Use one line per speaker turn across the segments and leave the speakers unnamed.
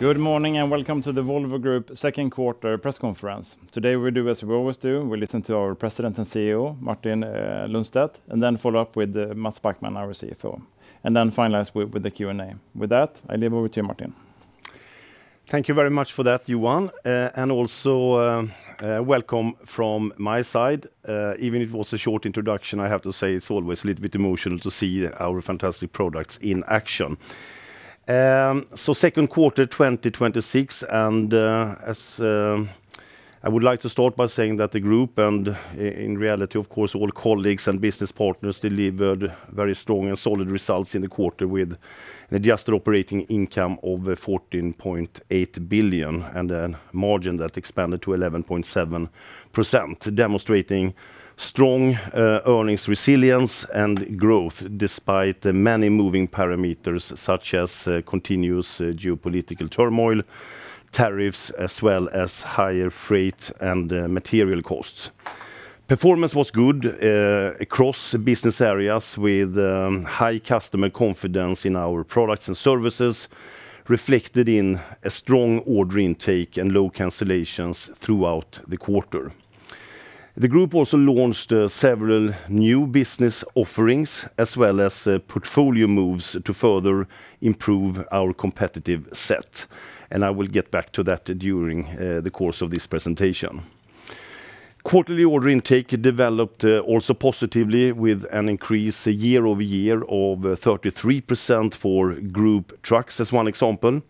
Good morning. Welcome to the Volvo Group second quarter press conference. Today we do as we always do, we listen to our President and CEO, Martin Lundstedt, and then follow up with Mats Backman, our CFO, and then finalize with the Q&A. With that, I leave over to you, Martin.
Thank you very much for that, Johan, also welcome from my side. Even if it was a short introduction, I have to say it's always a little bit emotional to see our fantastic products in action. Second quarter 2026. I would like to start by saying that the group and in reality, of course, all colleagues and business partners delivered very strong and solid results in the quarter. Adjusted operating income over 14.8 billion and a margin that expanded to 11.7%, demonstrating strong earnings resilience and growth despite the many moving parameters such as continuous geopolitical turmoil, tariffs, as well as higher freight and material costs. Performance was good across business areas with high customer confidence in our products and services, reflected in a strong order intake and low cancellations throughout the quarter. The group also launched several new business offerings, as well as portfolio moves to further improve our competitive set. I will get back to that during the course of this presentation. Quarterly order intake developed also positively with an increase year-over-year of 33% for Group trucks, as one example.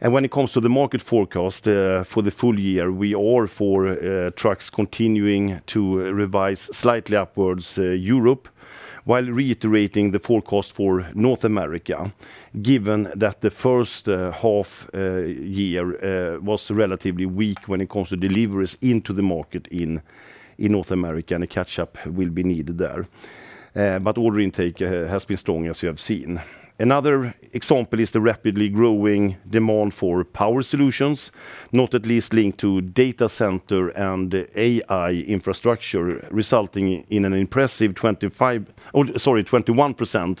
When it comes to the market forecast for the full year, we are, for trucks, continuing to revise slightly upwards Europe while reiterating the forecast for North America, given that the first half year was relatively weak when it comes to deliveries into the market in North America—a catch-up will be needed there. Order intake has been strong, as you have seen. Another example is the rapidly growing demand for power solutions, not at least linked to data center and AI infrastructure, resulting in an impressive 21%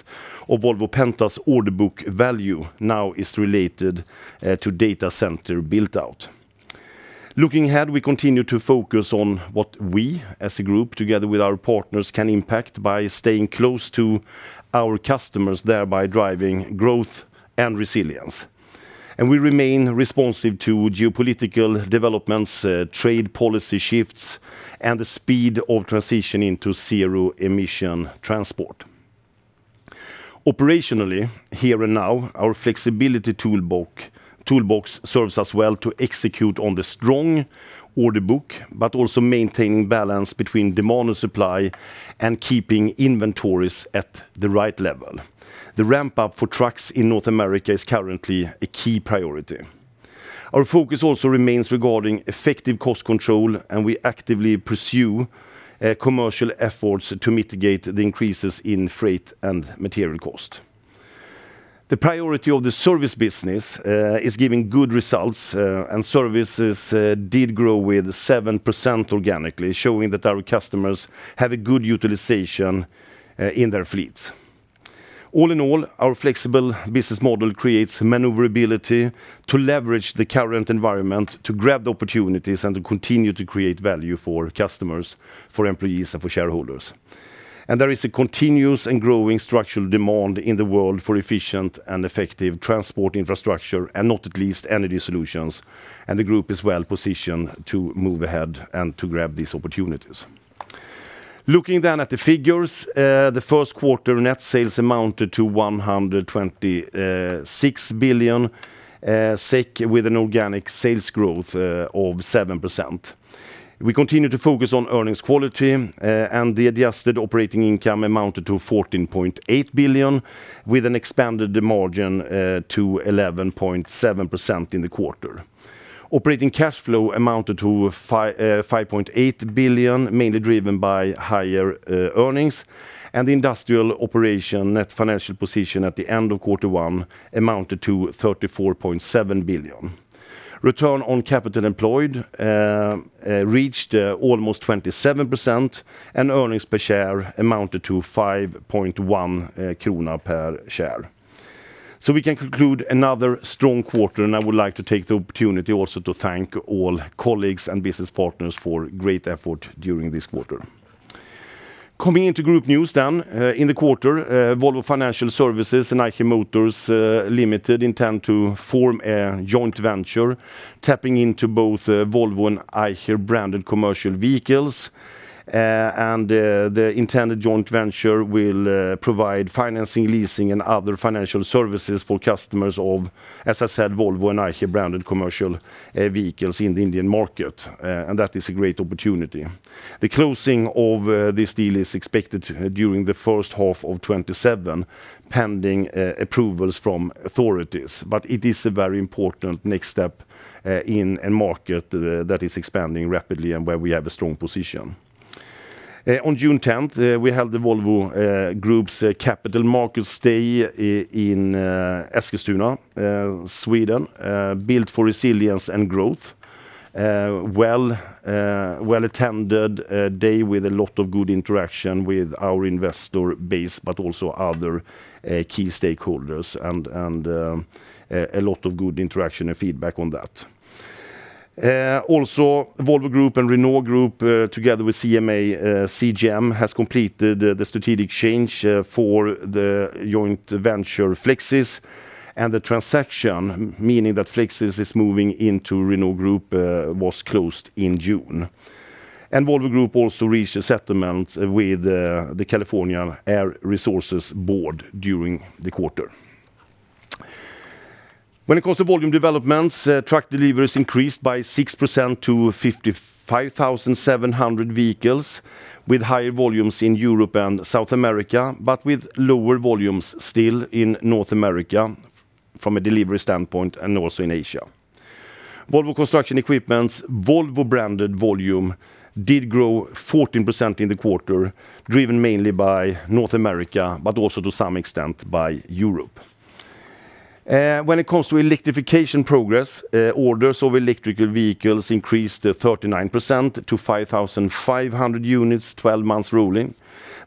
of Volvo Penta's order book value now is related to data center built-out. Looking ahead, we continue to focus on what we, as a group, together with our partners, can impact by staying close to our customers, thereby driving growth and resilience. We remain responsive to geopolitical developments, trade policy shifts, and the speed of transitioning to zero emission transport. Operationally, here and now, our flexibility toolbox serves us well to execute on the strong order book, but also maintaining balance between demand and supply and keeping inventories at the right level. The ramp-up for trucks in North America is currently a key priority. Our focus also remains regarding effective cost control. We actively pursue commercial efforts to mitigate the increases in freight and material cost. The priority of the service business is giving good results. Services did grow with 7% organically, showing that our customers have a good utilization in their fleets. All in all, our flexible business model creates maneuverability to leverage the current environment, to grab the opportunities, and to continue to create value for customers, for employees, and for shareholders. There is a continuous and growing structural demand in the world for efficient and effective transport infrastructure and not at least energy solutions. The group is well positioned to move ahead and to grab these opportunities. Looking at the figures, the first quarter net sales amounted to 126 billion SEK, with an organic sales growth of 7%. We continue to focus on earnings quality. The adjusted operating income amounted to 14.8 billion, with an expanded margin to 11.7% in the quarter. Operating cash flow amounted to 5.8 billion, mainly driven by higher earnings. The industrial operation net financial position at the end of quarter one amounted to 34.7 billion. Return on capital employed reached almost 27%. Earnings per share amounted to 5.1 krona per share. We can conclude another strong quarter. I would like to take the opportunity also to thank all colleagues and business partners for great effort during this quarter. Coming into group news. In the quarter, Volvo Financial Services and Eicher Motors Limited intend to form a joint venture tapping into both Volvo and Eicher-branded commercial vehicles. The intended joint venture will provide financing, leasing, and other financial services for customers of, as I said, Volvo and Eicher-branded commercial vehicles in the Indian market. That is a great opportunity. The closing of this deal is expected during the first half of 2027, pending approvals from authorities. It is a very important next step in a market that is expanding rapidly and where we have a strong position. On June 10th, we held the Volvo Group's Capital Markets Day in Eskilstuna, Sweden—Built for Resilience and Growth. A well-attended day with a lot of good interaction with our investor base, but also other key stakeholders. A lot of good interaction and feedback on that. Volvo Group and Renault Group, together with CMA CGM, has completed the strategic change for the joint venture, Flexis. The transaction, meaning that Flexis is moving into Renault Group, was closed in June. Volvo Group also reached a settlement with the California Air Resources Board during the quarter. When it comes to volume developments, truck deliveries increased by 6% to 55,700 vehicles, with higher volumes in Europe and South America, but with lower volumes still in North America, from a delivery standpoint, and also in Asia. Volvo Construction Equipment's Volvo-branded volume did grow 14% in the quarter, driven mainly by North America, but also, to some extent, by Europe. When it comes to electrification progress, orders of electrical vehicles increased 39% to 5,500 units, 12 months rolling.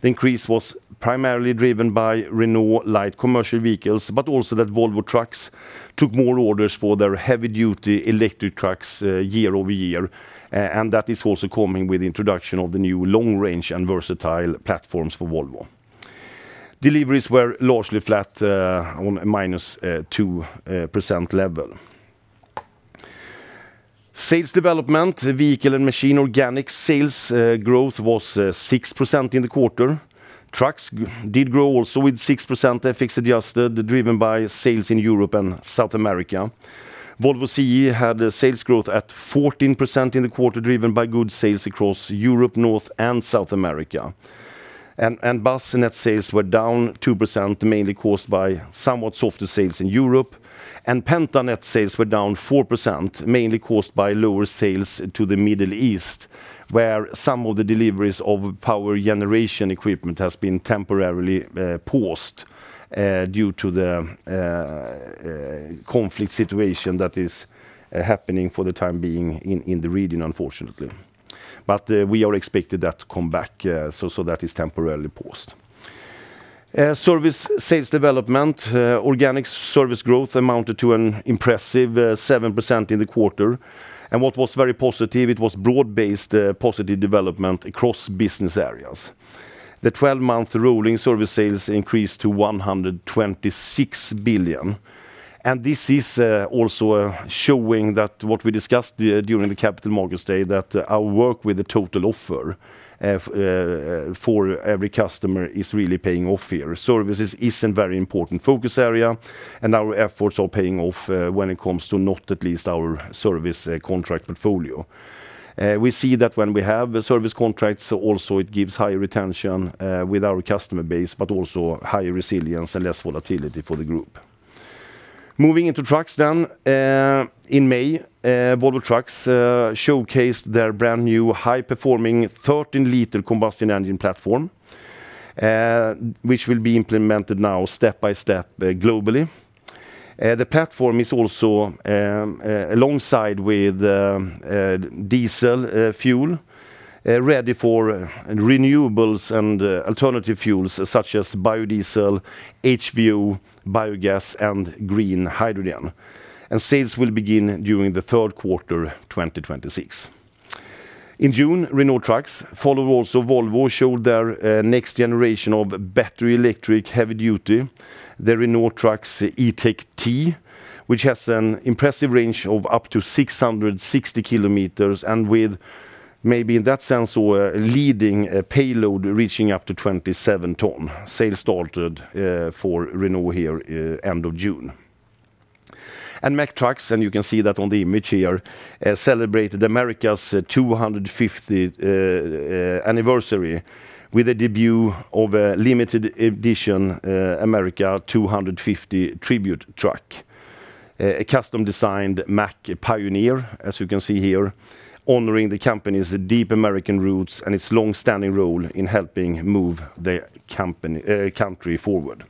The increase was primarily driven by Renault light commercial vehicles, but also that Volvo Trucks took more orders for their heavy-duty electric trucks year-over-year, that is also coming with the introduction of the new long-range and versatile platforms for Volvo. Deliveries were largely flat on a -2% level. Sales development, vehicle and machine organic sales growth was 6% in the quarter. Trucks did grow also with 6% FX adjusted, driven by sales in Europe and South America. Volvo CE had a sales growth at 14% in the quarter, driven by good sales across Europe, North, and South America. Bus net sales were down 2%, mainly caused by somewhat softer sales in Europe. Penta net sales were down 4%, mainly caused by lower sales to the Middle East, where some of the deliveries of power generation equipment has been temporarily paused due to the conflict situation that is happening for the time being in the region, unfortunately. We are expecting that to come back, so that is temporarily paused. Service sales development. Organic service growth amounted to an impressive 7% in the quarter. What was very positive, it was broad-based positive development across business areas. The 12-month rolling service sales increased to 126 billion. This is also showing that what we discussed during the Capital Markets Day, that our work with the total offer for every customer is really paying off here. Services is a very important focus area, and our efforts are paying off when it comes to not at least our service contract portfolio. We see that when we have the service contracts, also, it gives high retention with our customer base, but also high resilience and less volatility for the group. Moving into trucks then. In May, Volvo Trucks showcased their brand-new high-performing 13-liter combustion engine platform, which will be implemented now step-by-step globally. The platform is also, alongside with diesel fuel, ready for renewables and alternative fuels, such as biodiesel, HVO, biogas, and green hydrogen. Sales will begin during the third quarter 2026. In June, Renault Trucks, followed also Volvo, showed their next-generation of battery electric heavy-duty, the Renault Trucks E-Tech T, which has an impressive range of up to 660 km and with maybe, in that sense, a leading payload reaching up to 27 tons. Sales started for Renault here end of June. Mack Trucks—and you can see that on the image here—celebrated America's 250th anniversary with a debut of a limited edition America 250 tribute truck, a custom-designed Mack Pioneer—as you can see here—honoring the company's deep American roots and its long-standing role in helping move the country forward.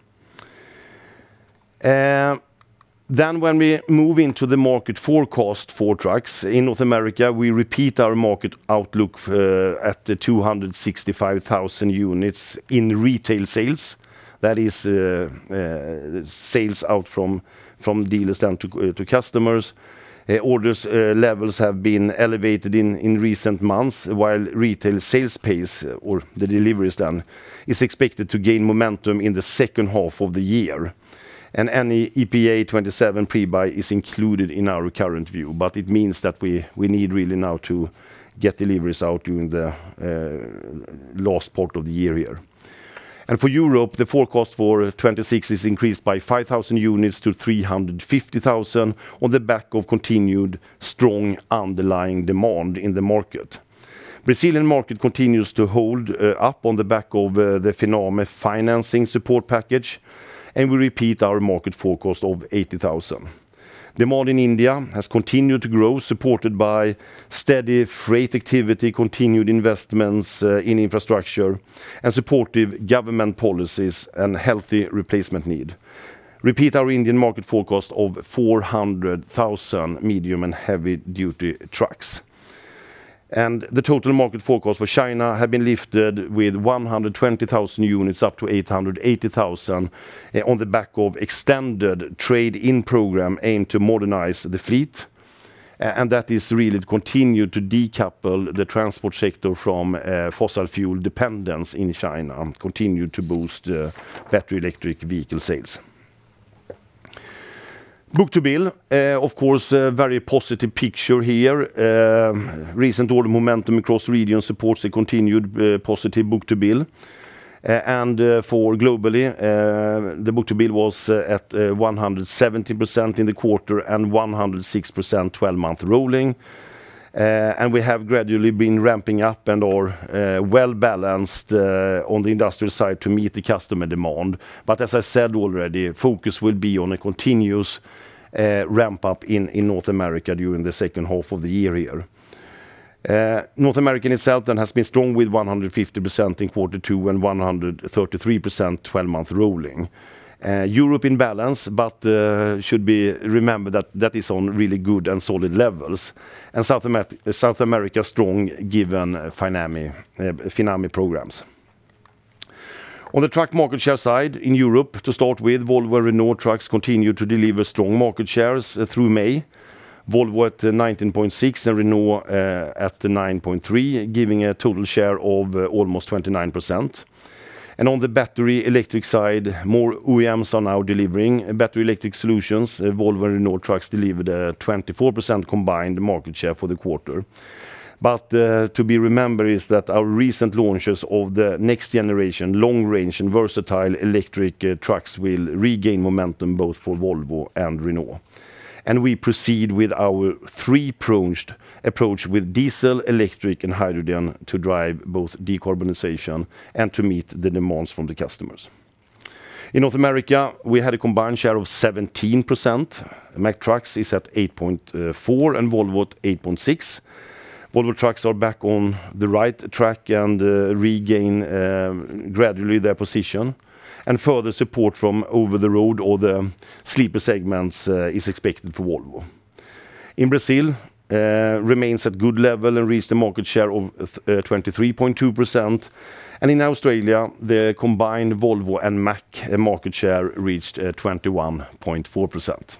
When we move into the market forecast for trucks in North America, we repeat our market outlook at the 265,000 units in retail sales. That is sales out from dealers down to customers. Orders levels have been elevated in recent months while retail sales pace or the deliveries then, is expected to gain momentum in the second half of the year. Any EPA 2027 pre-buy is included in our current view, but it means that we need really now to get deliveries out during the last part of the year here. For Europe, the forecast for 2026 is increased by 5,000 units to 315,000, on the back of continued strong underlying demand in the market. Brazilian market continues to hold up on the back of the Finame financing support package, and we repeat our market forecast of 80,000. Demand in India has continued to grow—supported by steady freight activity, continued investments in infrastructure, and supportive government policies and healthy replacement need—repeat our Indian market forecast of 400,000 medium and heavy-duty trucks. The total market forecast for China had been lifted with 120,000 units up to 880,000 units on the back of extended trade-in program aimed to modernize the fleet. That is really continued to decouple the transport sector from fossil fuel dependence in China and continued to boost battery electric vehicle sales. Book-to-bill, of course, very positive picture here. Recent order momentum across region supports a continued positive book-to-bill. For globally, the book-to-bill was at 170% in the quarter and 106% 12-month rolling. We have gradually been ramping up and are well balanced on the industrial side to meet the customer demand. As I said already, focus will be on a continuous ramp-up in North America during the second half of the year here. North America, in itself, then has been strong with 150% in quarter two and 133% 12-month rolling. Europe in balance, but should be remembered that is on really good and solid levels. South America, strong given Finame programs. On the truck market share side, in Europe to start with, Volvo and Renault Trucks continue to deliver strong market shares through May. Volvo at 19.6% and Renault at 9.3%, giving a total share of almost 29%. On the battery electric side, more OEMs are now delivering battery electric solutions. Volvo and Renault Trucks delivered a 24% combined market share for the quarter. To be remembered is that our recent launches of the next-generation long-range and versatile electric trucks will regain momentum both for Volvo and Renault. We proceed with our three-pronged approach with diesel, electric, and hydrogen to drive both decarbonization and to meet the demands from the customers. In North America, we had a combined share of 17%. Mack Trucks is at 8.4% and Volvo at 8.6%. Volvo Trucks are back on the right track and regain gradually their position, and further support from over-the-road or the sleeper segments is expected for Volvo. In Brazil, remains at good level and reached a market share of 23.2%. In Australia, the combined Volvo and Mack market share reached 21.4%.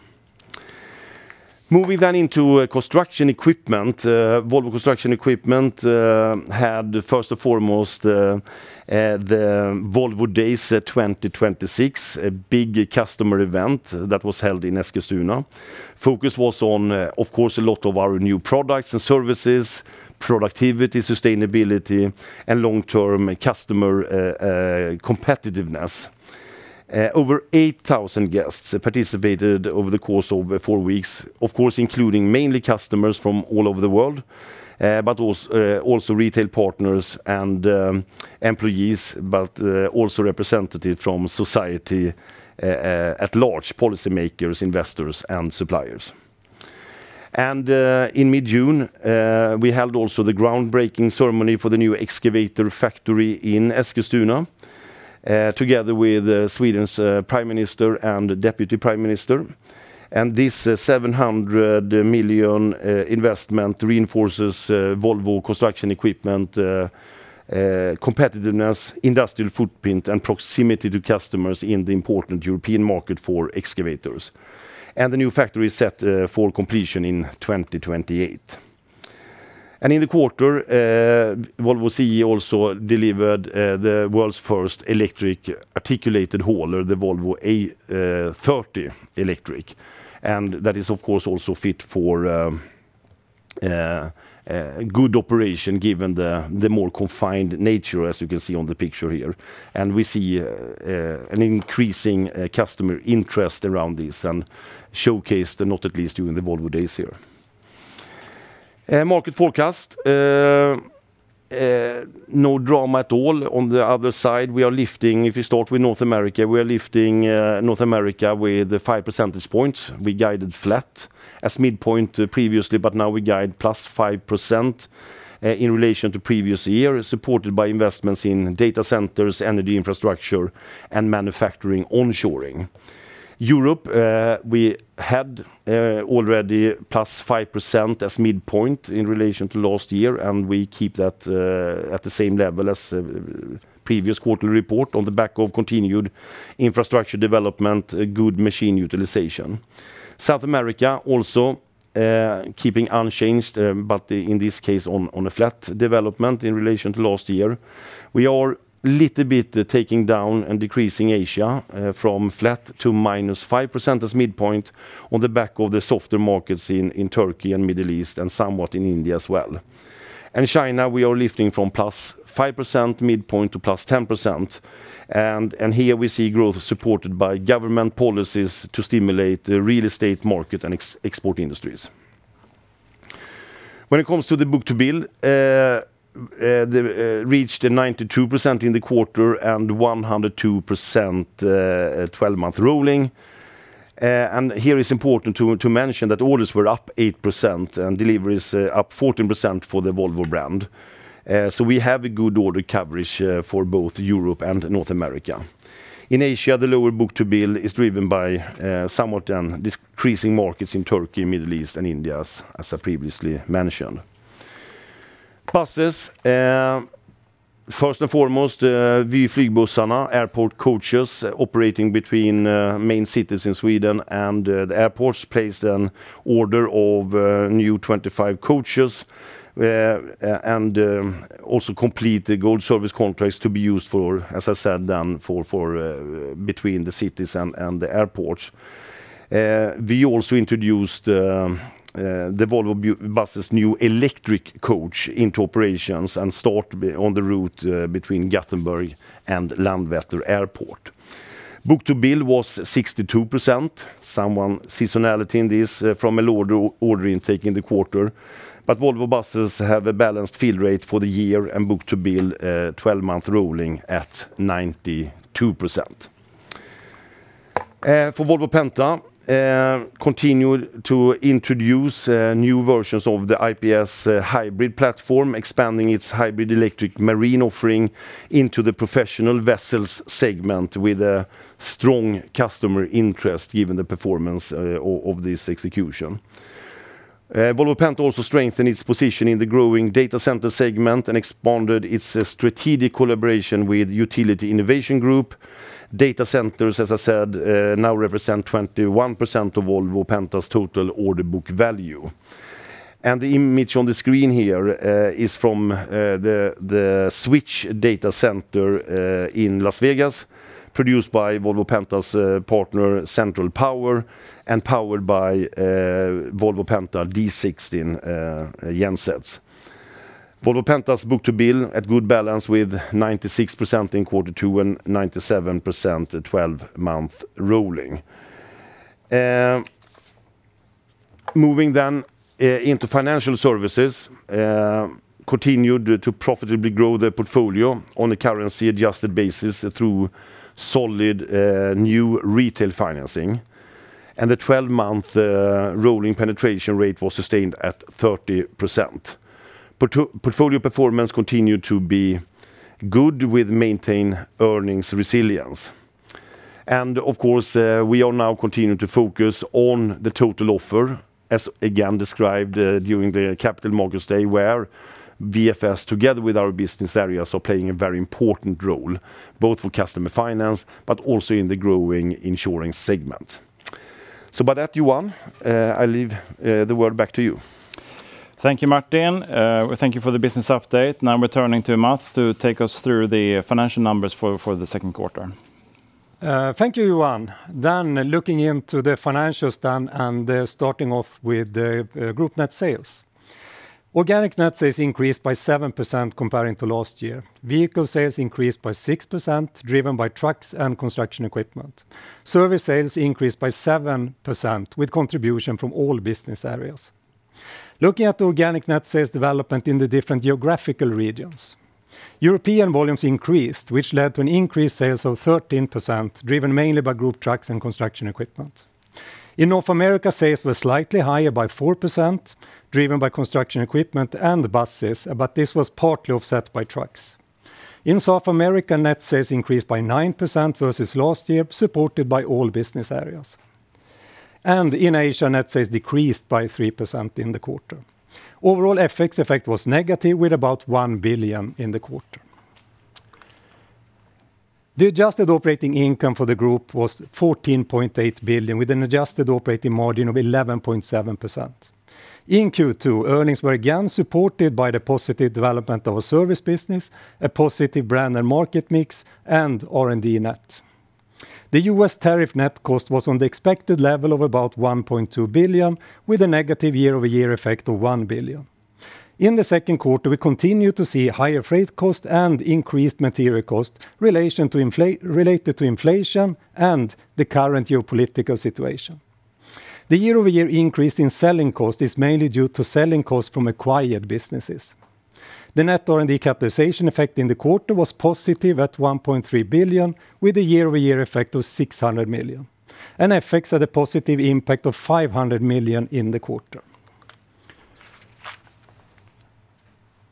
Moving into construction equipment. Volvo Construction Equipment had, first and foremost, the Volvo Days 2026, a big customer event that was held in Eskilstuna. Focus was on, of course, a lot of our new products and services, productivity, sustainability, and long-term customer competitiveness. Over 8,000 guests participated over the course of four weeks, of course, including mainly customers from all over the world but also retail partners and employees, but also representative from society, at large, policymakers, investors, and suppliers. In mid-June, we held also the groundbreaking ceremony for the new excavator factory in Eskilstuna together with Sweden's Prime Minister and Deputy Prime Minister. This 700 million investment reinforces Volvo Construction Equipment competitiveness, industrial footprint, and proximity to customers in the important European market for excavators. The new factory is set for completion in 2028. In the quarter, Volvo CE also delivered the world's first electric articulated hauler, the Volvo A30 Electric, and that is, of course, also fit for good operation, given the more confined nature—as you can see on the picture here. We see an increasing customer interest around this and showcased, not at least, during the Volvo Days here. Market forecast, no drama at all. On the other side, if we start with North America, we are lifting North America with 5 percentage points. We guided flat as midpoint previously, but now we guide +5% in relation to previous year, supported by investments in data centers, energy infrastructure, and manufacturing onshoring. Europe, we had already +5% as midpoint in relation to last year, we keep that at the same level as previous quarterly report on the back of continued infrastructure development, good machine utilization. South America, also keeping unchanged, but, in this case, on a flat development in relation to last year. We are little bit taking down and decreasing Asia from flat to -5% as midpoint on the back of the softer markets in Turkey and Middle East and somewhat in India as well. China, we are lifting from +5% midpoint to +10%. Here, we see growth supported by government policies to stimulate the real estate market and export industries. When it comes to the book-to-bill, they reached a 92% in the quarter and 102% 12-month rolling. Here, it's important to mention that orders were up 8% and deliveries up 14% for the Volvo brand. We have a good order coverage for both Europe and North America. In Asia, the lower book-to-bill is driven by somewhat decreasing markets in Turkey, Middle East, and India, as I previously mentioned. Buses, first and foremost, Vy Flygbussarna—airport coaches operating between main cities in Sweden and the airports—placed an order of new 25 coaches, and also complete the gold service contracts to be used for, as I said, then for between the cities and the airports. We also introduced the Volvo Buses' new electric coach into operations and start on the route between Gothenburg and Landvetter Airport. Book-to-bill was 62%, some seasonality in this from an order intake in the quarter. Volvo Buses have a balanced fill rate for the year and book-to-bill 12-month rolling at 92%. For Volvo Penta, continued to introduce new versions of the IPS Hybrid platform, expanding its hybrid electric marine offering into the professional vessels segment with a strong customer interest, given the performance of this execution. Volvo Penta also strengthened its position in the growing data center segment and expanded its strategic collaboration with Utility Innovation Group. Data centers, as I said, now represent 21% of Volvo Penta's total order book value. The image on the screen here is from the Switch data center in Las Vegas, produced by Volvo Penta's partner, Central Power, and powered by Volvo Penta D16 gensets. Volvo Penta's book-to-bill at good balance with 96% in quarter two and 97% 12-month rolling. Moving into financial services, continued to profitably grow their portfolio on a currency-adjusted basis through solid new retail financing. The 12-month rolling penetration rate was sustained at 30%. Portfolio performance continued to be good with maintained earnings resilience. Of course, we are now continuing to focus on the total offer, as again described during the Capital Markets Day, where VFS, together with our business areas, are playing a very important role, both for customer finance, but also in the growing insurance segment. With that, Johan, I leave the word back to you.
Thank you, Martin. Thank you for the business update. Now, returning to Mats to take us through the financial numbers for the second quarter.
Thank you, Johan. Looking into the financials, and starting off with group net sales. Organic net sales increased by 7% comparing to last year. Vehicle sales increased by 6%, driven by trucks and construction equipment. Service sales increased by 7%, with contribution from all business areas. Looking at organic net sales development in the different geographical regions. European volumes increased, which led to an increased sales of 13%, driven mainly by group trucks and construction equipment. In North America, sales were slightly higher by 4%, driven by construction equipment and buses, but this was partly offset by trucks. In South America, net sales increased by 9% versus last year, supported by all business areas. In Asia, net sales decreased by 3% in the quarter. Overall, FX effect was negative, with about 1 billion in the quarter. The adjusted operating income for the group was 14.8 billion, with an adjusted operating margin of 11.7%. In Q2, earnings were again supported by the positive development of a service business, a positive brand and market mix, and R&D net. The U.S. tariff net cost was on the expected level of about 1.2 billion, with a negative year-over-year effect of 1 billion. In the second quarter, we continued to see higher freight cost and increased material cost related to inflation and the current geopolitical situation. The year-over-year increase in selling cost is mainly due to selling cost from acquired businesses. The net R&D capitalization effect in the quarter was positive at 1.3 billion, with a year-over-year effect of 600 million. FX had a positive impact of 500 million in the quarter.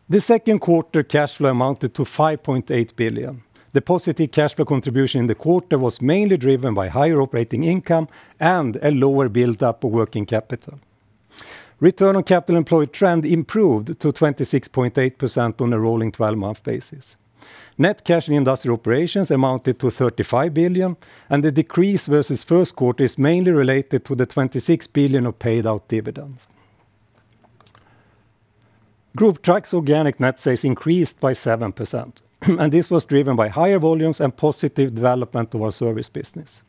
The second quarter cash flow amounted to 5.8 billion. The positive cash flow contribution in the quarter was mainly driven by higher operating income and a lower buildup of working capital. Return on capital employed trend improved to 26.8% on a rolling 12-month basis. Net cash in industrial operations amounted to 35 billion, and the decrease versus first quarter is mainly related to the 26 billion of paid-out dividends. Group Trucks organic net sales increased by 7%, and this was driven by higher volumes and positive development of our service business.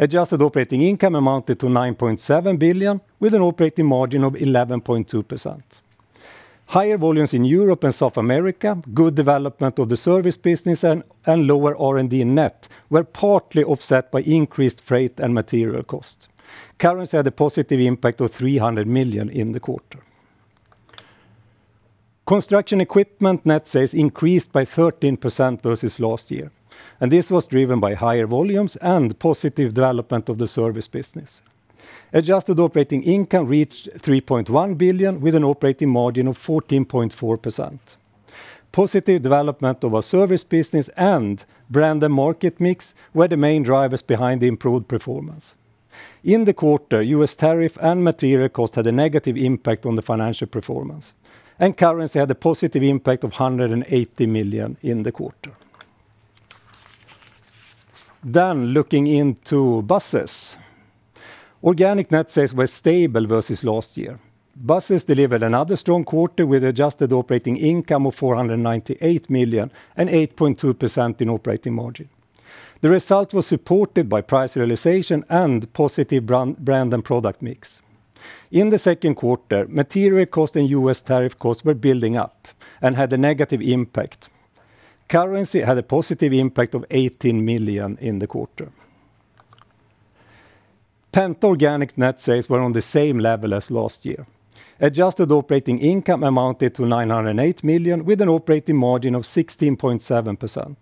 Adjusted operating income amounted to 9.7 billion, with an operating margin of 11.2%. Higher volumes in Europe and South America, good development of the service business, and lower R&D net were partly offset by increased freight and material cost. Currency had a positive impact of 300 million in the quarter. Construction equipment net sales increased by 13% versus last year, and this was driven by higher volumes and positive development of the service business. Adjusted operating income reached 3.1 billion, with an operating margin of 14.4%. Positive development of our service business and brand and market mix were the main drivers behind the improved performance. In the quarter, U.S. tariff and material costs had a negative impact on the financial performance, and currency had a positive impact of 180 million in the quarter. Looking into buses. Organic net sales were stable versus last year. Buses delivered another strong quarter with adjusted operating income of 498 million and 8.2% in operating margin. The result was supported by price realization and positive brand and product mix. In the second quarter, material cost and U.S. tariff costs were building up and had a negative impact. Currency had a positive impact of 18 million in the quarter. Penta organic net sales were on the same level as last year. Adjusted operating income amounted to 908 million, with an operating margin of 16.7%.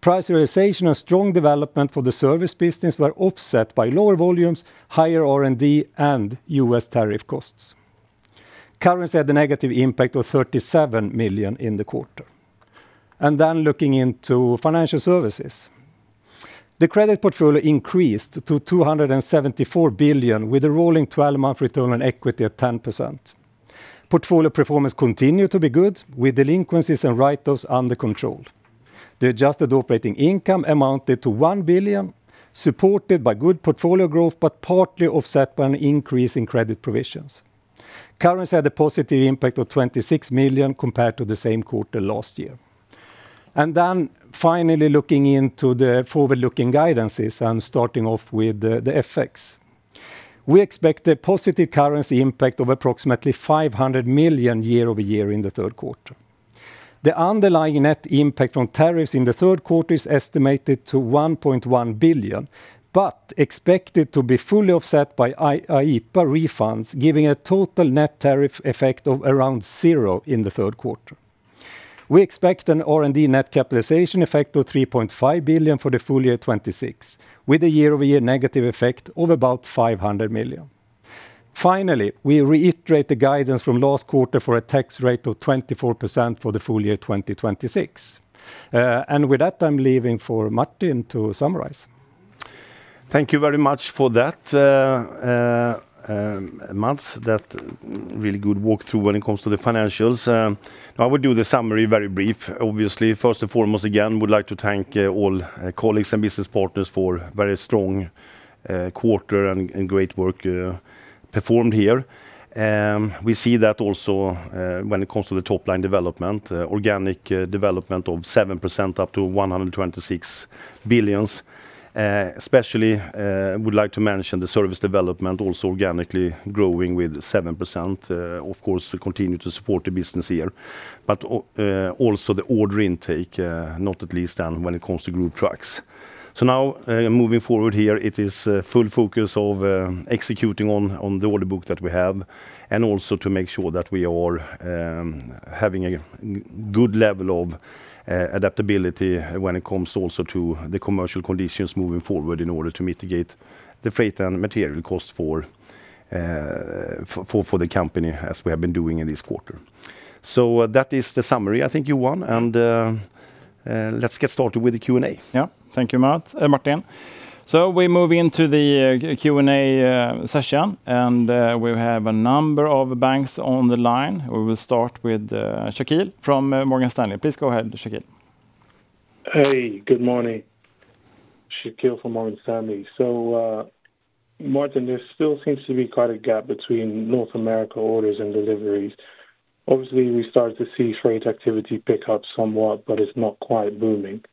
Price realization and strong development for the service business were offset by lower volumes, higher R&D, and U.S. tariff costs. Currency had a negative impact of 37 million in the quarter. Looking into financial services. The credit portfolio increased to 274 billion, with a rolling 12-month return on equity of 10%. Portfolio performance continued to be good, with delinquencies and write-offs under control. The adjusted operating income amounted to 1 billion, supported by good portfolio growth, but partly offset by an increase in credit provisions. Currency had a positive impact of 26 million compared to the same quarter last year. Finally, looking into the forward-looking guidances and starting off with the FX. We expect a positive currency impact of approximately 500 million year-over-year in the third quarter. The underlying net impact from tariffs in the third quarter is estimated to 1.1 billion, but expected to be fully offset by IEEPA refunds, giving a total net tariff effect of around zero in the third quarter. We expect an R&D net capitalization effect of 3.5 billion for the full year 2026, with a year-over-year negative effect of about 500 million. Finally, we reiterate the guidance from last quarter for a tax rate of 24% for the full year 2026. With that, I'm leaving for Martin to summarize.
Thank you very much for that, Mats. Really good walkthrough when it comes to the financials. I will do the summary very brief. Obviously, first and foremost, again, would like to thank all colleagues and business partners for very strong quarter and great work performed here. We see that also when it comes to the top-line development, organic development of 7% up to 126 billion. Especially, would like to mention the service development, also organically growing with 7%. Of course, we continue to support the business here, but also the order intake, not at least when it comes to Group Trucks. Moving forward here, it is full focus of executing on the order book that we have. Also, to make sure that we are having a good level of adaptability when it comes to the commercial conditions moving forward in order to mitigate the freight and material cost for the company, as we have been doing in this quarter. That is the summary, I think, Johan, and let's get started with the Q&A.
Thank you, Martin. We move into the Q&A session, and we have a number of banks on the line. We will start with Shaqeal from Morgan Stanley. Please go ahead, Shaqeal.
Good morning. Shaqeal from Morgan Stanley. Martin, there still seems to be quite a gap between North America orders and deliveries. Obviously, we started to see freight activity pick up somewhat, but it's not quite booming.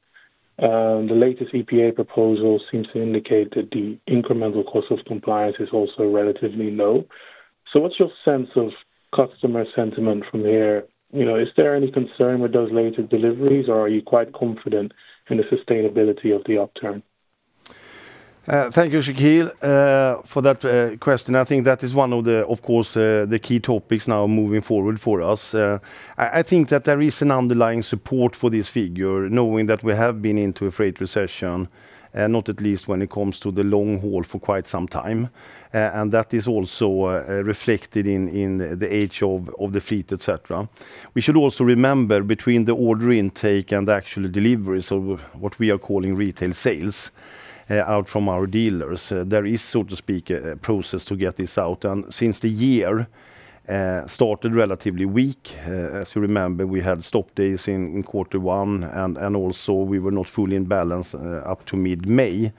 The latest EPA proposal seems to indicate that the incremental cost of compliance is also relatively low. What's your sense of customer sentiment from there? Is there any concern with those later deliveries, or are you quite confident in the sustainability of the upturn?
Thank you, Shaqeal, for that question. That is one of the key topics now moving forward for us. There is an underlying support for this figure, knowing that we have been into a freight recession, not at least when it comes to the long haul, for quite some time. That is also reflected in the age of the fleet, et cetera. We should also remember, between the order intake and the actual deliveries of what we are calling retail sales out from our dealers, there is, so to speak, a process to get this out. Since the year started relatively weak, as you remember, we had stop days in quarter one, and also we were not fully in balance up to mid-May.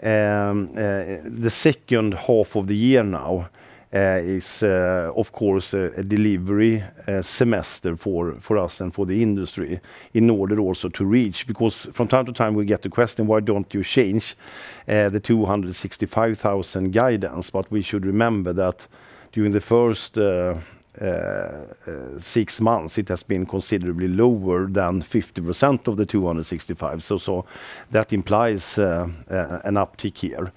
The second half of the year now is, of course, a delivery semester for us and for the industry in order also to reach. From time to time, we get the question, why don't you change the 265,000 guidance? We should remember that during the first six months, it has been considerably lower than 50% of the 265,000. That implies an uptick here.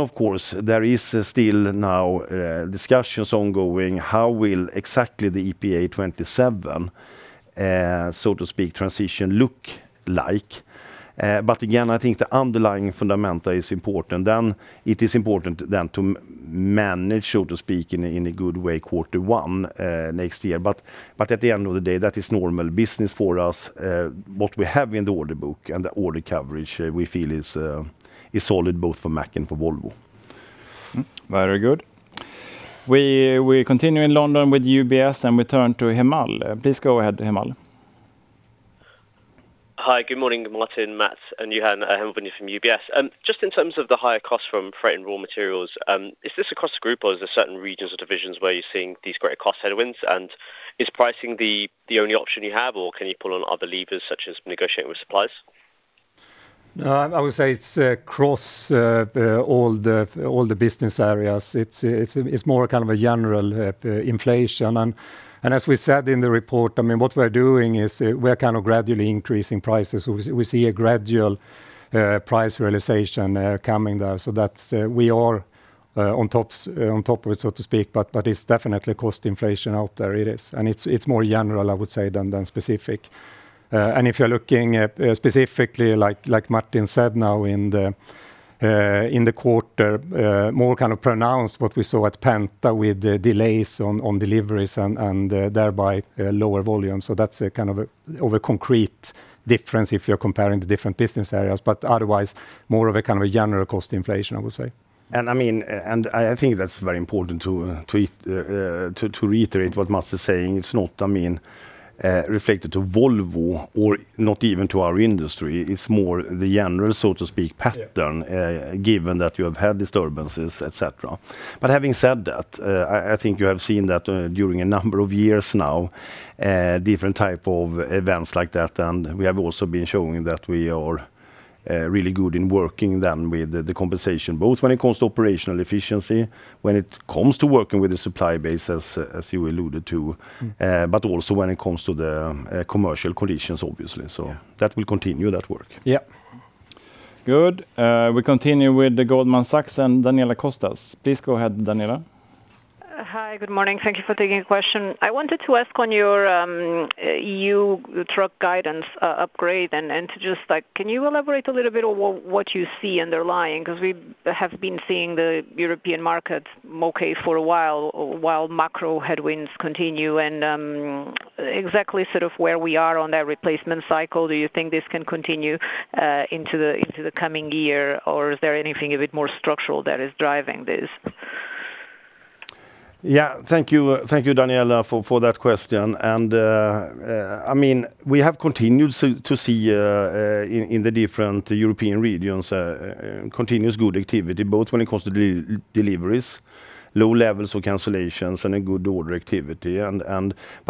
Of course, there is still now discussions ongoing, how will exactly the EPA 2027, so to speak, transition look like? Again, I think the underlying fundamental is important. It is important then to manage, so to speak, in a good way, quarter one next year. At the end of the day, that is normal business for us. What we have in the order book and the order coverage we feel is solid both for Mack and for Volvo.
Very good. We continue in London with UBS, and we turn to Hemal. Please go ahead, Hemal.
Hi. Good morning, Martin, Mats, and Johan. Hemal Bhundia from UBS. Just in terms of the higher cost from freight and raw materials, is this across the group or are there certain regions or divisions where you're seeing these greater cost headwinds? Is pricing the only option you have, or can you pull on other levers, such as negotiating with suppliers?
No, I would say it's across all the business areas. It's more a general inflation. As we said in the report, what we're doing is we are gradually increasing prices. We see a gradual price realization coming there. That we are on top of it, so to speak, but it's definitely cost inflation out there. It is. It's more general, I would say, than specific. If you're looking specifically, like Martin said now, in the quarter, more pronounced what we saw at Volvo Penta with the delays on deliveries and thereby lower volume. That's a concrete difference, if you're comparing the different business areas, but, otherwise, more of a general cost inflation, I would say.
I think that's very important to reiterate what Mats is saying. It's not reflected to Volvo, or not even to our industry. It's more the general, so to speak, pattern, given that you have had disturbances, et cetera. Having said that, I think you have seen that, during a number of years now, different type of events like that. We have also been showing that we are really good in working with the compensation, both when it comes to operational efficiency, when it comes to working with the supply base, as you alluded to, but also when it comes to the commercial conditions, obviously. That will continue that work.
Good. We continue with Goldman Sachs and Daniela Costa. Please go ahead, Daniela.
Hi. Good morning. Thank you for taking the question. I wanted to ask on your truck guidance upgrade. Can you elaborate a little bit on what you see underlying, because we have been seeing the European markets okay for awhile while macro headwinds continue, and exactly where we are on that replacement cycle? Do you think this can continue into the coming year, or is there anything a bit more structural that is driving this?
Thank you, Daniela, for that question. We have continued to see, in the different European regions, continuous good activity, both when it comes to deliveries, low levels of cancellations, and good order activity.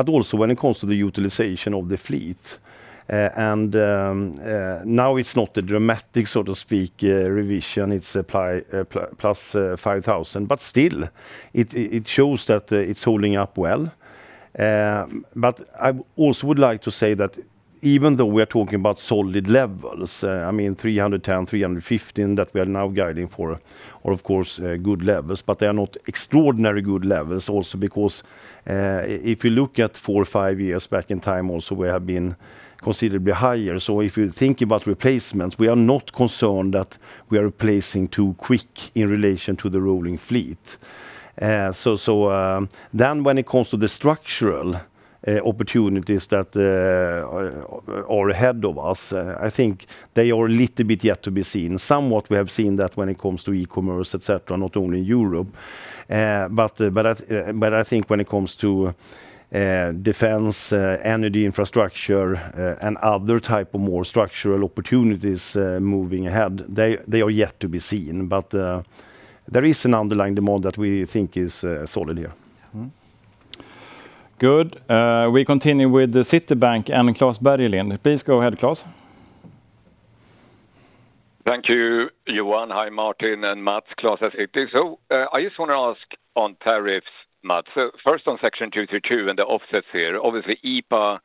Also, when it comes to the utilization of the fleet. Now, it's not a dramatic, so to speak, revision. It's +5,000. Still, it shows that it's holding up well. I also would like to say that, even though we are talking about solid levels—310,000, 315,000—that we are now guiding for, are of course good levels, but they are not extraordinarily good levels also because, if you look at four or five years back in time also, we have been considerably higher. If you think about replacements, we are not concerned that we are replacing too quick in relation to the rolling fleet. When it comes to the structural opportunities that are ahead of us, I think they are a little bit yet to be seen. Somewhat, we have seen that when it comes to e-commerce, et cetera, not only in Europe. I think when it comes to defense, energy infrastructure, and other type of more structural opportunities moving ahead, they are yet to be seen. There is an underlying demand that we think is solid here.
Good. We continue with Citibank and Klas Bergelind. Please go ahead, Klas.
Thank you, Johan. Hi, Martin and Mats. Klas at Citi. I just want to ask on tariffs, Mats. First on Section 232 and the offsets here, obviously IEEPA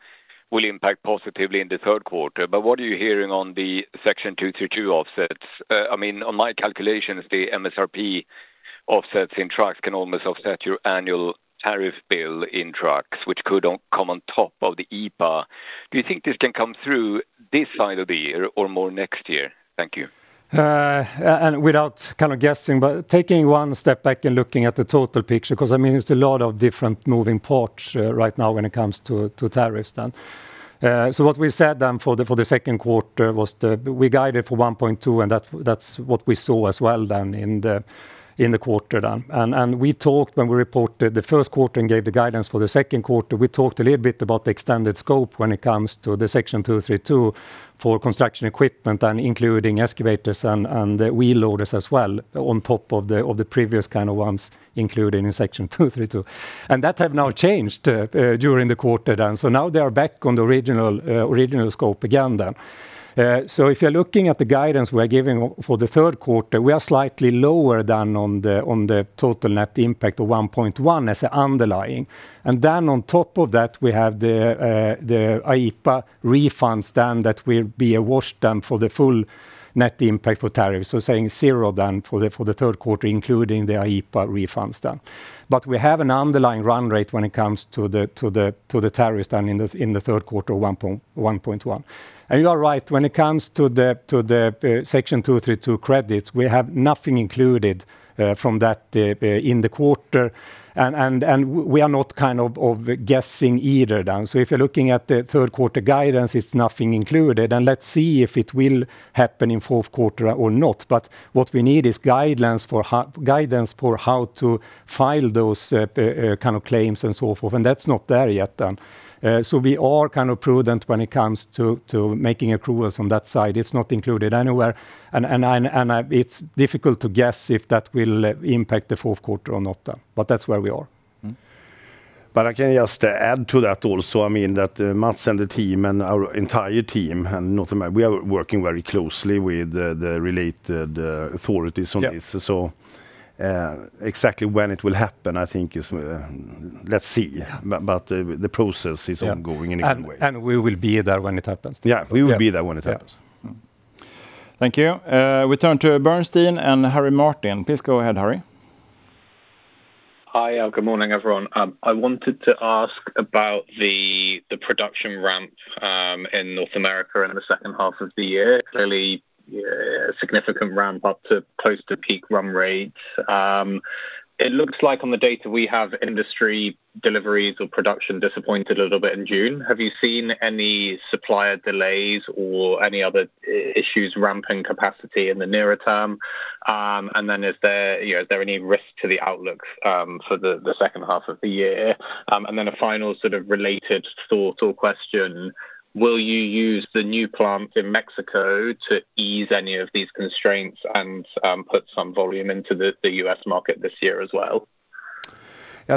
will impact positively in the third quarter, but what are you hearing on the Section 232 offsets? On my calculations, the MSRP offsets in trucks can almost offset your annual tariff bill in trucks, which could come on top of the IEEPA. Do you think this can come through this side of the year or more next year? Thank you.
Without kind of guessing, but taking one step back and looking at the total picture, because it's a lot of different moving parts right now when it comes to tariffs. What we said for the second quarter was that we guided for 1.2 billion, and that's what we saw as well in the quarter. We talked—when we reported the first quarter and gave the guidance for the second quarter—a little bit about the extended scope when it comes to the Section 232 for construction equipment, including excavators and wheel loaders as well on top of the previous kind of ones included in Section 232. That had now changed during the quarter. Now, they are back on the original scope again. If you're looking at the guidance we are giving for the third quarter, we are slightly lower on the total net impact of 1.1 billion as an underlying. Then on top of that, we have the IEEPA refunds that will be a wash for the full net impact for tariffs. Saying zero for the third quarter, including the IEEPA refunds. We have an underlying run rate when it comes to the tariffs in the third quarter of 1.1 billion. You are right, when it comes to the Section 232 credits, we have nothing included from that in the quarter. We are not kind of guessing either. If you're looking at the third quarter guidance, it's nothing included, and let's see if it will happen in fourth quarter or not. What we need is guidance for how to file those kind of claims and so forth. That's not there yet then. We are kind of prudent when it comes to making accruals on that side. It's not included anywhere. It's difficult to guess if that will impact the fourth quarter or not, but that's where we are.
I can just add to that also that Mats and the team and our entire team in North America, we are working very closely with the related authorities on this. Exactly when it will happen, I think let's see. The process is ongoing in any way.
We will be there when it happens.
We will be there when it happens.
Thank you. We turn to Bernstein and Harry Martin. Please go ahead, Harry.
Hi. Good morning, everyone. I wanted to ask about the production ramp in North America in the second half of the year. Clearly, a significant ramp-up to close to peak run rates. It looks like, on the data we have, industry deliveries or production disappointed a little bit in June. Have you seen any supplier delays or any other issues ramping capacity in the nearer term? Is there any risk to the outlook for the second half of the year? A final sort of related thought or question, will you use the new plant in Mexico to ease any of these constraints and put some volume into the U.S. market this year as well?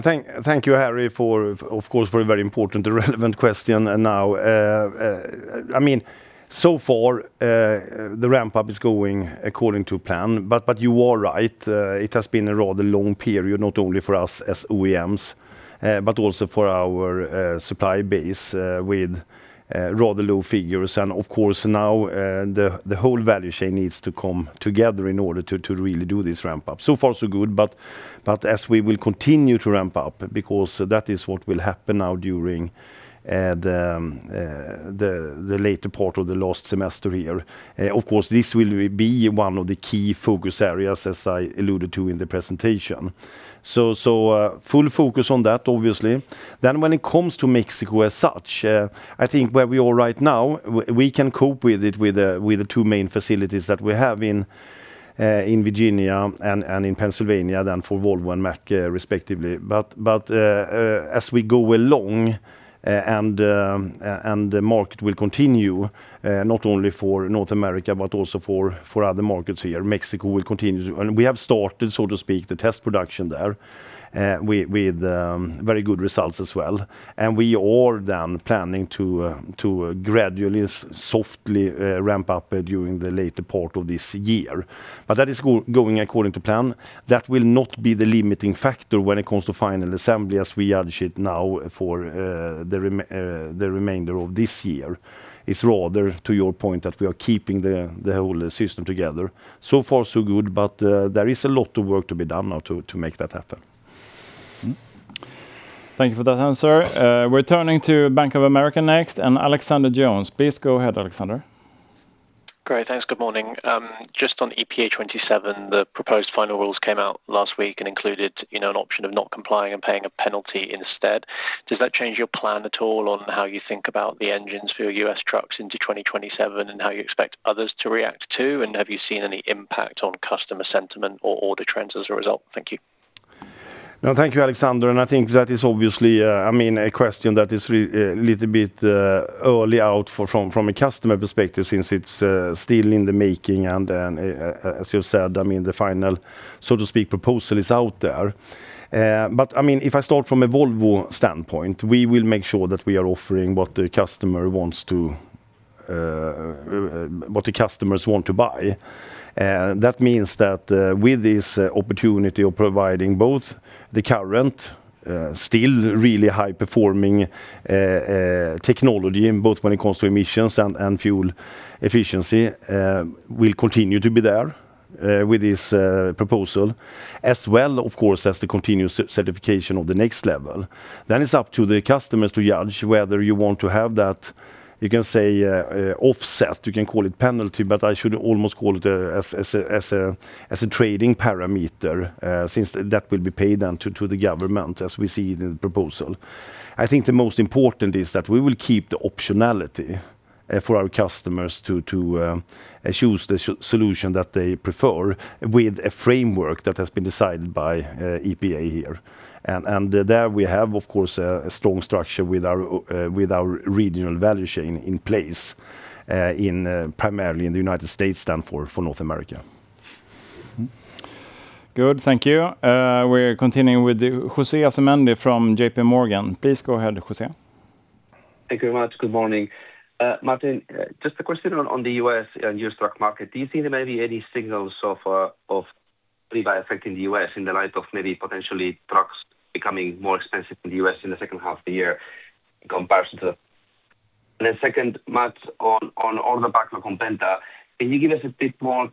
Thank you, Harry, for, of course, a very important relevant question now. So far, the ramp-up is going according to plan, but you are right, it has been a rather long period, not only for us as OEMs, but also for our supply base, with rather low figures. Of course, now, the whole value chain needs to come together in order to really do this ramp-up. So far so good, but as we will continue to ramp up, because that is what will happen now during the later part of the last semester here, of course, this will be one of the key focus areas, as I alluded to in the presentation. Full focus on that, obviously. When it comes to Mexico as such, I think where we are right now, we can cope with the two main facilities that we have in Virginia and in Pennsylvania, for Volvo and Mack, respectively. As we go along, and the market will continue, not only for North America, but also for other markets here, Mexico will continue to. We have started, so to speak, the test production there, with very good results as well. We are planning to gradually, softly ramp up during the later part of this year. That is going according to plan. That will not be the limiting factor when it comes to final assembly, as we judge it now for the remainder of this year. It's rather, to your point, that we are keeping the whole system together. So far so good, but there is a lot of work to be done now to make that happen.
Thank you for that answer. We are turning to Bank of America next and Alexander Jones. Please go ahead, Alexander.
Great. Thanks. Good morning. Just on EPA 2027, the proposed final rules came out last week and included an option of not complying and paying a penalty instead. Does that change your plan at all on how you think about the engines for your U.S. trucks into 2027, and how you expect others to react too? Have you seen any impact on customer sentiment or order trends as a result? Thank you.
Thank you, Alexander. I think that is obviously a question that is a little bit early out from a customer perspective, since it is still in the making. As you said, the final, so to speak, proposal is out there. If I start from a Volvo standpoint, we will make sure that we are offering what the customers want to buy. That means that with this opportunity of providing both the current, still really high-performing technology, both when it comes to emissions and fuel efficiency, we will continue to be there with this proposal, as well, of course, as the continuous certification of the next level. It is up to the customers to judge whether you want to have that—you can say offset, you can call it penalty, but I should almost call it as a trading parameter—since that will be paid to the government, as we see in the proposal. I think the most important is that we will keep the optionality for our customers to choose the solution that they prefer with a framework that has been decided by EPA here. There we have, of course, a strong structure with our regional value chain in place, primarily in the United States than for North America.
Good. Thank you. We are continuing with Jose Asumendi from JPMorgan. Please go ahead, Jose.
Thank you very much. Good morning. Martin, just a question on the U.S. and your truck market. Do you think there may be any signals of a pre-buy effect in the U.S. in the light of maybe potentially trucks becoming more expensive in the U.S. in the second half of the year in comparison to the [first half]? Second, Mats, on order backlog on Penta, can you give us a bit more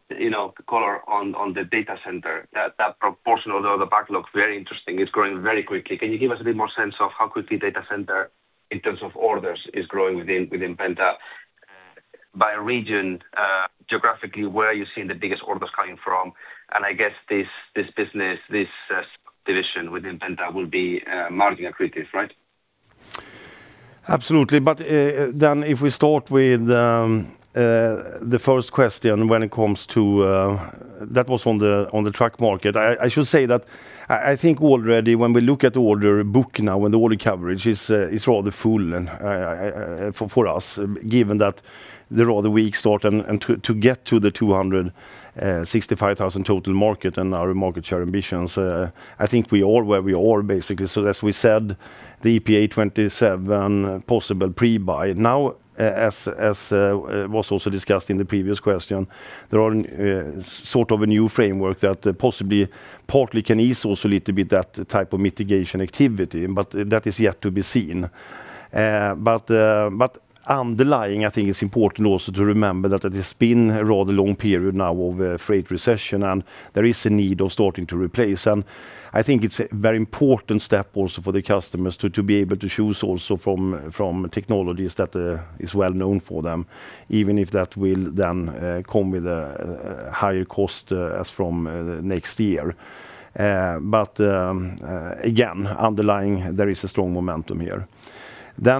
color on the data center. That proportion of the order backlog is very interesting. It is growing very quickly. Can you give us a bit more sense of how quickly data center, in terms of orders, is growing within Penta? By region, geographically, where are you seeing the biggest orders coming from? I guess this business, this division within Penta will be margin accretive, right?
Absolutely. If we start with the first question that was on the truck market, I should say that I think already, when we look at the order book now, when the order coverage is rather full for us, given that they are the weak start and to get to the 265,000 total market and our market share ambitions, I think we are where we are basically. As we said, the EPA 2027 possible pre-buy. Now, as was also discussed in the previous question, there are sort of a new framework that possibly partly can ease also a little bit that type of mitigation activity, but that is yet to be seen. Underlying, I think it is important also to remember that it has been a rather long period now of a freight recession, and there is a need of starting to replace. I think it is a very important step also for the customers to be able to choose also from technologies that is well-known for them, even if that will then come with a higher cost as from next year. Again, underlying, there is a strong momentum here.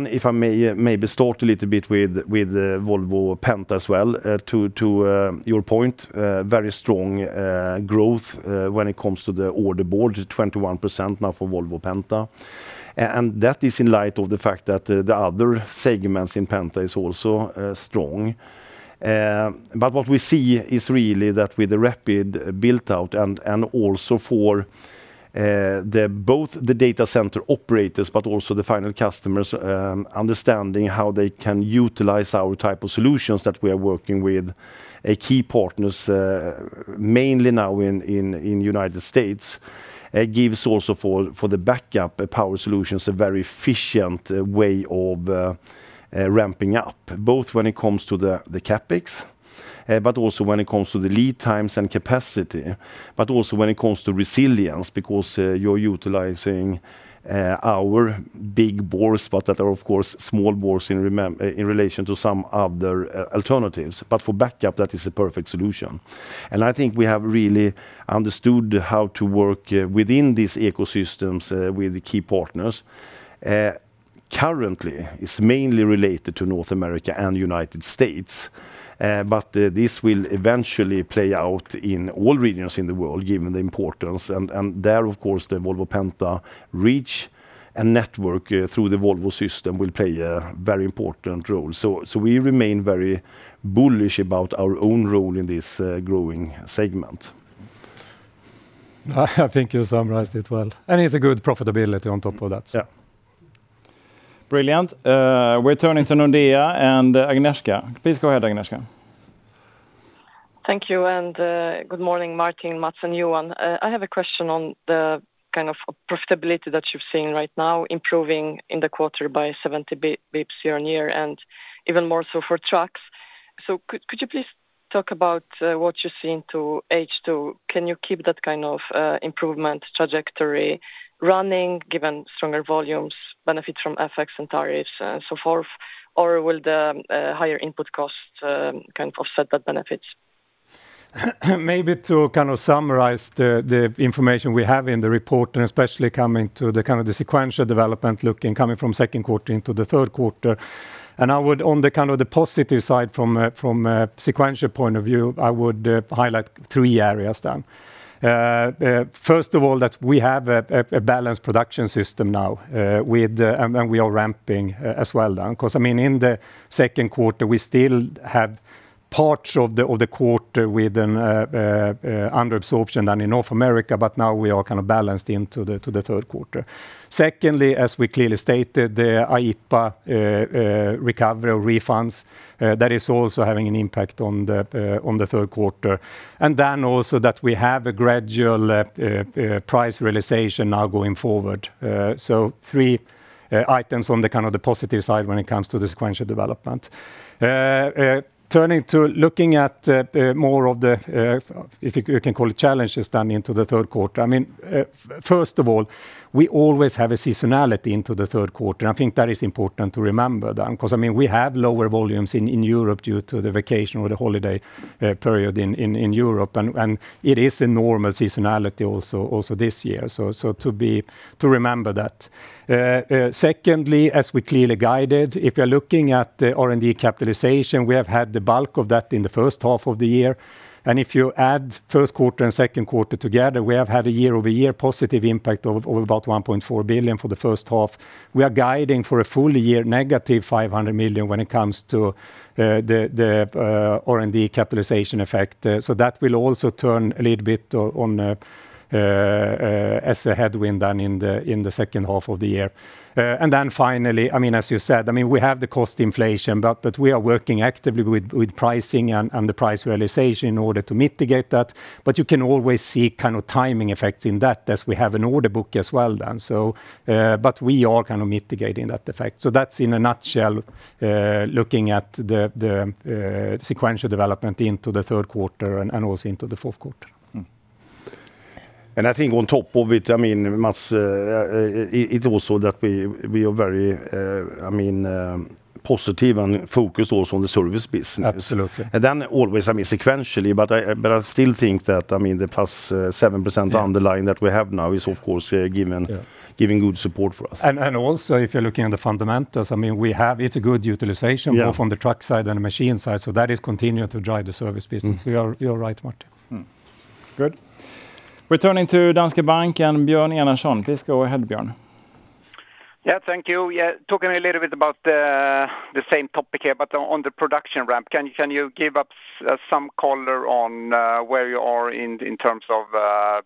If I may maybe start a little bit with Volvo Penta as well, to your point, very strong growth when it comes to the order book, 21% now for Volvo Penta. That is in light of the fact that the other segments in Penta is also strong. What we see is really that with the rapid built-out and also for both the data center operators, but also the final customers, understanding how they can utilize our type of solutions that we are working with key partners, mainly now in United States, gives also for the backup power solutions, a very efficient way of ramping up, both when it comes to the CapEx, but also when it comes to the lead times and capacity. Also, when it comes to resilience, because you're utilizing our big bores, but that are, of course, small bores in relation to some other alternatives. For backup, that is a perfect solution. I think we have really understood how to work within these ecosystems with key partners. Currently, it's mainly related to North America and United States, but this will eventually play out in all regions in the world, given the importance. There, of course, the Volvo Penta reach and network, through the Volvo system, will play a very important role. We remain very bullish about our own role in this growing segment.
I think you summarized it well. It's a good profitability, on top of that.
Brilliant. We're turning to Nordea and Agnieszka. Please go ahead, Agnieszka.
Thank you, and good morning, Martin, Mats, and Johan. I have a question on the kind of profitability that you're seeing right now improving in the quarter by 70 basis points year-over-year, and even more so for trucks. Could you please talk about what you're seeing to H2? Can you keep that kind of improvement trajectory running, given stronger volumes, benefits from FX and tariffs, and so forth? Or will the higher input costs kind of offset that benefit?
Maybe to kind of summarize the information we have in the report, and especially coming to the kind of the sequential development looking, coming from second quarter into the third quarter. I would—on the positive side from a sequential point of view—highlight three areas. First of all, that we have a balanced production system now, and we are ramping as well, because in the second quarter, we still have parts of the quarter with an under-absorption than in North America, but now we are kind of balanced into the third quarter. Secondly, as we clearly stated, the IEEPA recovery or refunds, that is also having an impact on the third quarter. Also, that we have a gradual price realization now going forward. Three items on the positive side when it comes to the sequential development. Looking at more of the, if you can call it, challenges into the third quarter. First of all, we always have a seasonality into the third quarter, and I think that is important to remember. Because we have lower volumes in Europe due to the vacation or the holiday period in Europe, and it is a normal seasonality also this year, to remember that. Secondly, as we clearly guided, if you are looking at the R&D capitalization, we have had the bulk of that in the first half of the year. If you add first quarter and second quarter together, we have had a year-over-year positive impact of about 1.4 billion for the first half. We are guiding for a full year negative 500 million when it comes to the R&D capitalization effect. That will also turn a little bit as a headwind in the second half of the year. Finally, as you said, we have the cost inflation, but we are working actively with pricing and the price realization in order to mitigate that. You can always see kind of timing effects in that as we have an order book as well. We are kind of mitigating that effect. That's in a nutshell, looking at the sequential development into the third quarter and also into the fourth quarter.
I think on top of it, Mats, we are very positive and focused also on the service business.
Absolutely.
Always, sequentially, but I still think that the +7% underlying that we have now is, of course, giving good support for us.
Also, if you're looking at the fundamentals, it's a good utilization, both on the truck side and the machine side, so that is continuing to drive the service business. You're right, Martin.
Good. Returning to Danske Bank and Björn Enarson. Please go ahead, Björn.
Thank you. Talking a little bit about the same topic here, but on the production ramp. Can you give us some color on where you are in terms of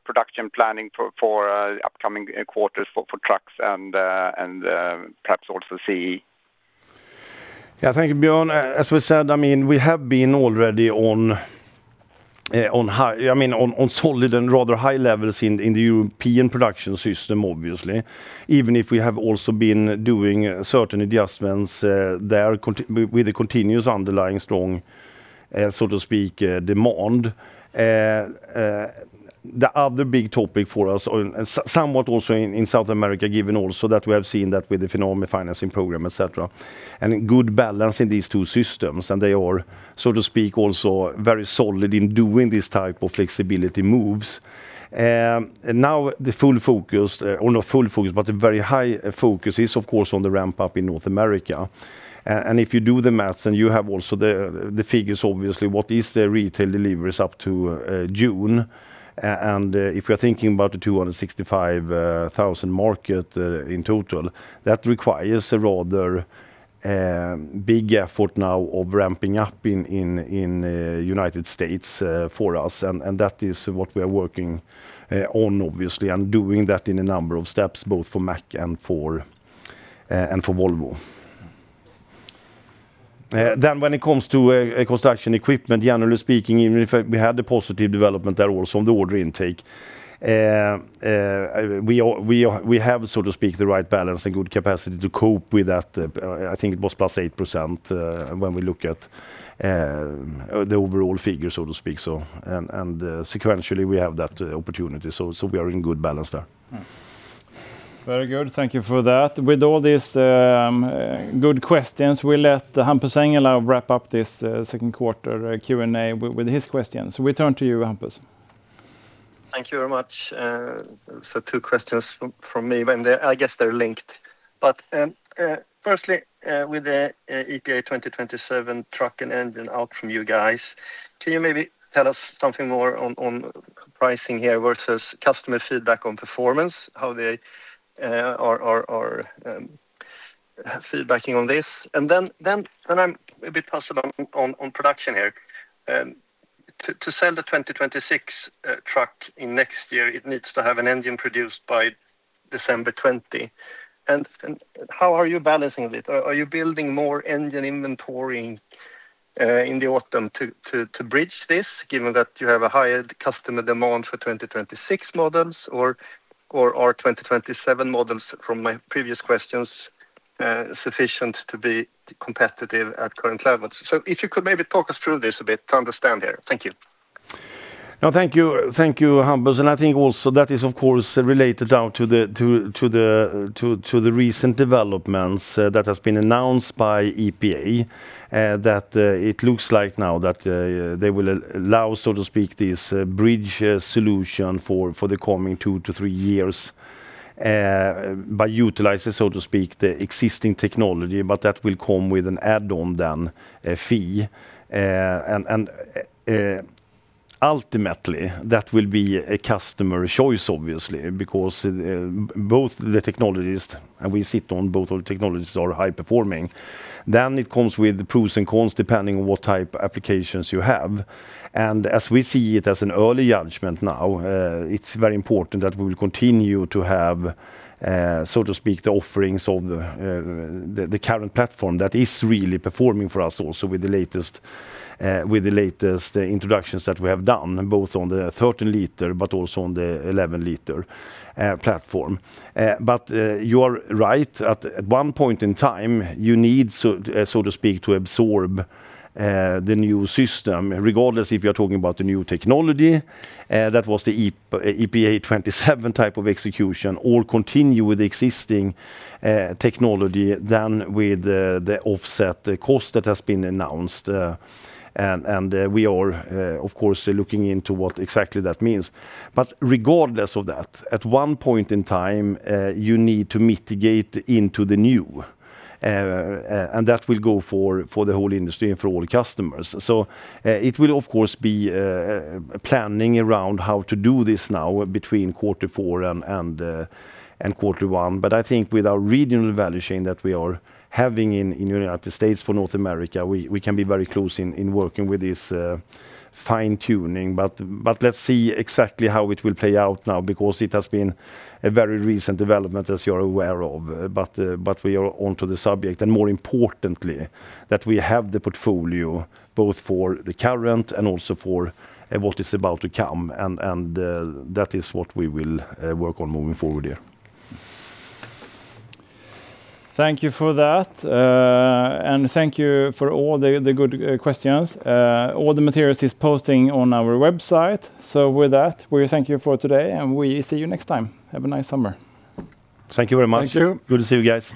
production planning for upcoming quarters for trucks and perhaps also CE?
Thank you, Björn. As we said, we have been already on solid and rather high levels in the European production system, obviously. Even if we have also been doing certain adjustments there with the continuous underlying strong, so to speak, demand. The other big topic for us, and somewhat also in South America, given also that we have seen that with the financing program, et cetera, and a good balance in these two systems, and they are, so to speak, also very solid in doing this type of flexibility moves. A very high focus is, of course, on the ramp-up in North America. If you do the math, and you have also the figures, obviously, what is the retail deliveries up to June? If you're thinking about the 265,000 market in total, that requires a rather big effort now of ramping up in the United States for us. That is what we are working on, obviously, and doing that in a number of steps, both for Mack and for Volvo. When it comes to construction equipment, generally speaking, even if we had the positive development there also on the order intake, we have, so to speak, the right balance and good capacity to cope with that. I think it was +8% when we look at the overall figure, so to speak. Sequentially, we have that opportunity. We are in good balance there.
Very good. Thank you for that. With all these good questions, we'll let Hampus Engellau wrap up this second quarter Q&A with his questions. We turn to you, Hampus.
Thank you very much. Two questions from me, and I guess they're linked. Firstly, with the EPA 2027 truck and engine out from you guys, can you maybe tell us something more on pricing here versus customer feedback on performance? How they are feedbacking on this? I'm a bit puzzled on production here. To sell the 2026 truck in next year, it needs to have an engine produced by December 2020. How are you balancing it? Are you building more engine inventory in the autumn to bridge this, given that you have a higher customer demand for 2026 models? Or are 2027 models, from my previous questions, sufficient to be competitive at current levels? If you could maybe talk us through this a bit to understand here. Thank you.
Thank you, Hampus. I think also that is, of course, related down to the recent developments that has been announced by EPA, that it looks like now that they will allow, so to speak, this bridge solution for the coming two to three years, by utilizing, so to speak, the existing technology, but that will come with an add-on fee. Ultimately, that will be a customer choice, obviously, because both the technologies, and we sit on both of the technologies, are high-performing. It comes with the pros and cons, depending on what type applications you have. As we see it as an early judgment now, it's very important that we will continue to have, so to speak, the offerings of the current platform that is really performing for us also with the latest introductions that we have done, both on the 30-liter but also on the 11-liter platform. You are right. At one point in time, you need, so to speak, to absorb the new system, regardless if you're talking about the new technology, that was the EPA 2027 type of execution, or continue with the existing technology with the offset cost that has been announced. We are, of course, looking into what exactly that means. Regardless of that, at one point in time, you need to mitigate into the new, and that will go for the whole industry and for all customers. It will, of course, be planning around how to do this now between quarter four and quarter one. I think with our regional value chain that we are having in the United States for North America, we can be very close in working with this fine-tuning. Let's see exactly how it will play out now, because it has been a very recent development, as you're aware of. We are onto the subject. More importantly, that we have the portfolio both for the current and also for what is about to come. That is what we will work on moving forward here.
Thank you for that, and thank you for all the good questions. All the materials is posting on our website. With that, we thank you for today, and we see you next time. Have a nice summer.
Thank you very much.
Thank you.
Good to see you guys.